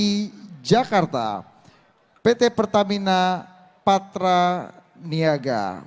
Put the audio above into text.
pt lrt jakarta pt pertamina patra niaga